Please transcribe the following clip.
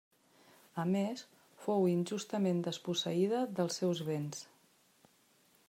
A més, fou injustament desposseïda dels seus béns.